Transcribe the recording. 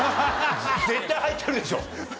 絶対入ってるでしょ。